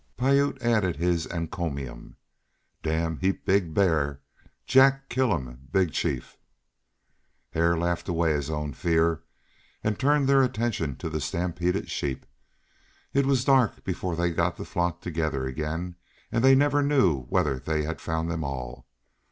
Piute added his encomium: "Damn heap big bear Jack kill um big chief!" Hare laughed away his own fear and turned their attention to the stampeded sheep. It was dark before they got the flock together again, and they never knew whether they had found them all.